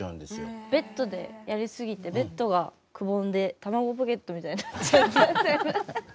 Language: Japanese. ベッドでやり過ぎてベッドがくぼんで卵ポケットみたいになっちゃったみたいな。